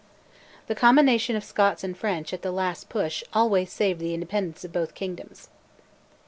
The combination of Scots and French, at the last push, always saved the independence of both kingdoms.